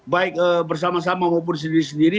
baik bersama sama maupun sendiri sendiri